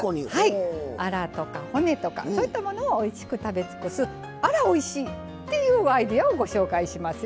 アラとか骨とかそういったものをおいしく食べ尽くすアラおいしい！っていうアイデアをご紹介しますよ。